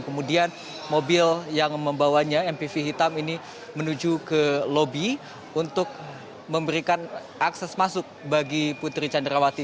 kemudian mobil yang membawanya mpv hitam ini menuju ke lobi untuk memberikan akses masuk bagi putri candrawati